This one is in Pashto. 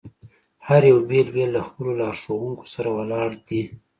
هر یو بېل بېل له خپلو لارښوونکو سره ولاړ دي.